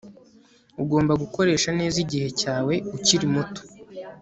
ugomba gukoresha neza igihe cyawe ukiri muto